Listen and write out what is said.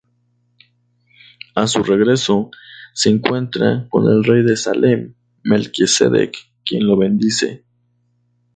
A su regreso se encuentra con el rey de Salem, Melquisedec, quien lo bendice.